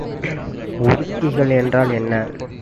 உருகிகள் என்றால் என்ன?